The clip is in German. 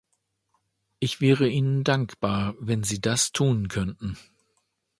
Ich wäre Ihnen dankbar, wenn Sie das tun könnten.